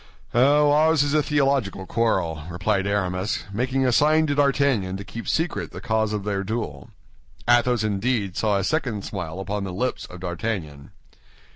"Oh, ours is a theological quarrel," replied Aramis, making a sign to D'Artagnan to keep secret the cause of their duel. Athos indeed saw a second smile on the lips of D'Artagnan.